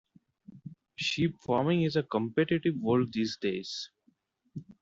Sheep farming is a competitive world these days.